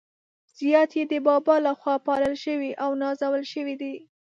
زیات يې د بابا له خوا پالل شوي او نازول شوي دي.